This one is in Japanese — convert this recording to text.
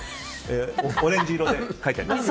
オレンジ色で書いてあります。